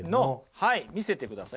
はい見せてください。